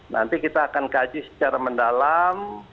nanti kita akan kaji secara mendalam